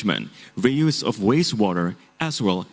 dan daya solar sangat mahal